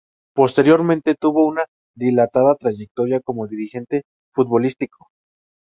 Posteriormente tuvo una dilatada trayectoria como dirigente futbolístico.